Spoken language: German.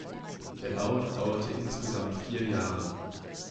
Der Bau dauerte insgesamt vier Jahre.